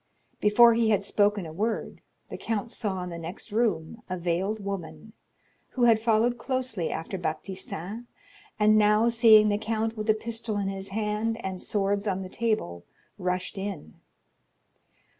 Before he had spoken a word, the count saw in the next room a veiled woman, who had followed closely after Baptistin, and now, seeing the count with a pistol in his hand and swords on the table, rushed in.